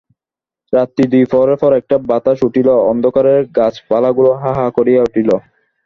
রাত্রি দুই প্রহরের পর একটা বাতাস উঠিল, অন্ধকারে গাছপালাগুলা হা হা করিয়া উঠিল।